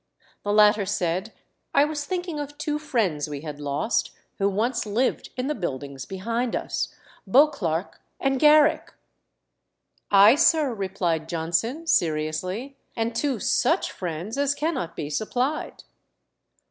The latter said, "I was thinking of two friends we had lost, who once lived in the buildings behind us, Beauclerk and Garrick." "Ay, sir," replied Johnson, seriously, "and two such friends as cannot be supplied."